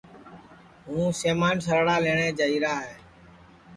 ہوں سمان سَرڑا لئٹؔے جائیرا ہے